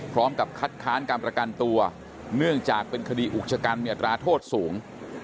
พร้อมกับคัดค้านการประกันตัวเนื่องจากเป็นคดีอุกชะกันมีอัตราโทษสูง